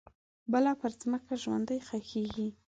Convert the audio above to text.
بله پرمځکه ژوندۍ ښخیږې